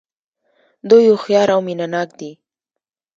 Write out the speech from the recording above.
دوی هوښیار او مینه ناک دي.